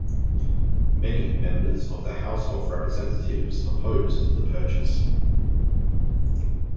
Many members of the House of Representatives opposed the purchase.